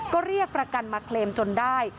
ก็เรียกประกันมาเคลมจนได้